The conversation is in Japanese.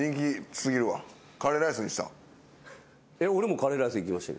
俺もカレーライスいきました。